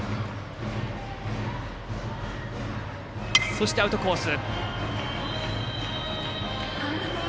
そしてアウトコース。